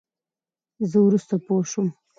زه ورورسته پوشوم.